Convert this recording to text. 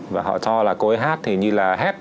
và họ cho là cô ấy hát thì như là hét